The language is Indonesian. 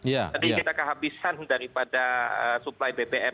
jadi kita kehabisan daripada suplai bpm